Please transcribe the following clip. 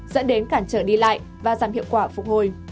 dẫn đến cản trở đi lại và giảm hiệu quả phục hồi